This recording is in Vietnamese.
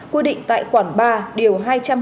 quy định tại khoản ba điều hai trăm hai mươi